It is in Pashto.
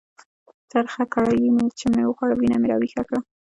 ترخه کړایي چې مې وخوړه، وینه مې را ویښه کړه.